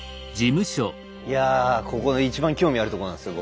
いやここいちばん興味あるとこなんですよ